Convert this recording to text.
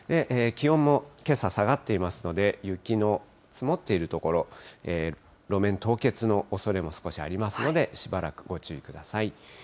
気温もけさ、下がっていますので、雪の積もっている所、路面凍結のおそれも少しありますので、しばらくご注意ください。